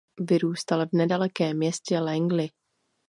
Vyrůstal v nedalekém městě Langley.